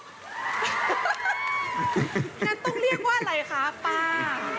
งั้นต้องเรียกว่าอะไรคะป้า